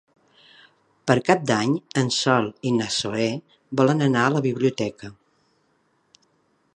Per Cap d'Any en Sol i na Zoè volen anar a la biblioteca.